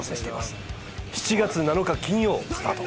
７月７日金曜スタート。